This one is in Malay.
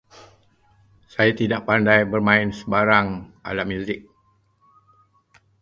Saya tidak pandai bermain sebarang alat muzik.